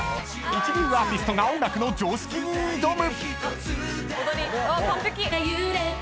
［一流アーティストが音楽の常識に挑む！］